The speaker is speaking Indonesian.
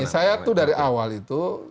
saya tuh dari awal itu